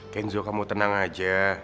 kenzo kamu tenang aja